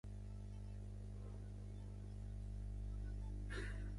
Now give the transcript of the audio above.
You can also use the search bar to find specific songs or artists.